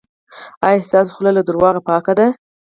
ایا ستاسو خوله له درواغو پاکه ده؟